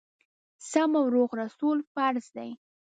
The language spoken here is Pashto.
سم او روغ رسول فرض دي.